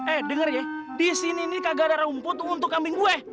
eh denger ya disini ini kagak ada rumput untuk kambing gue